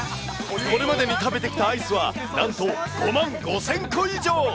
これまでに食べてきたアイスはなんと５万５０００個以上。